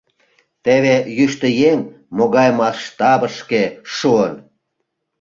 Теве йӱштӧ еҥ могай масштабышке шуын?